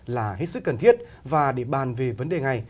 là hết sức cần thiết và để bàn về vấn đề này